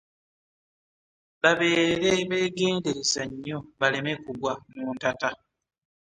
Babeere beegedereza nnyo baleme kugwa mu ntata.